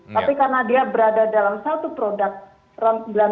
tapi karena dia berada dalam satu produk ron sembilan puluh